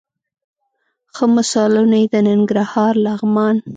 ښه مثالونه یې د ننګرهار، لغمان،